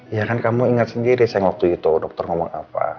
ya kan kamu ingat sendiri saya waktu itu dokter ngomong apa